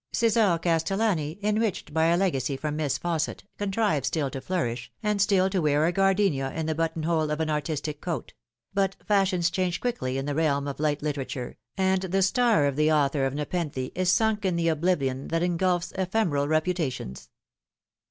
C6sar Castellani, enriched by a legacy from Miss Fausset, contrives still to flourish, and still to wear a gardenia in the but ton hole of an artistic coat ; but fashions change quickly in the realm of light literature, and the star of the author of Nepenthe is sunk in the oblivion that engulfs ephemeral reputations.